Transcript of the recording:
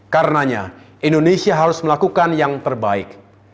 karenanya indonesia harus melakukan yang terbaik